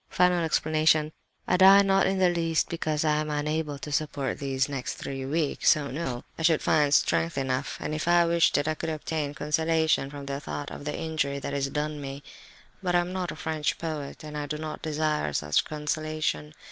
"Final explanation: I die, not in the least because I am unable to support these next three weeks. Oh no, I should find strength enough, and if I wished it I could obtain consolation from the thought of the injury that is done me. But I am not a French poet, and I do not desire such consolation.